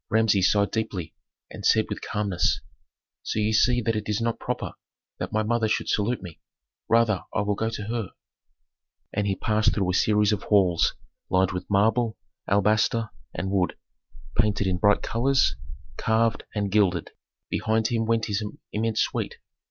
" Authentic. Rameses sighed deeply and said with calmness, "So ye see that it is not proper that my mother should salute me. Rather I will go to her." And he passed through a series of halls lined with marble, alabaster, and wood, painted in bright colors, carved and gilded; behind him went his immense suite.